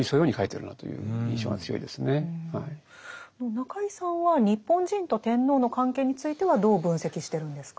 中井さんは日本人と天皇の関係についてはどう分析してるんですか？